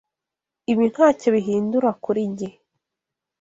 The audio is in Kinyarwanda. Ibi ntacyo bihindura kuri njye.